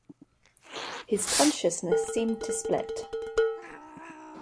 His consciousness seemed to split.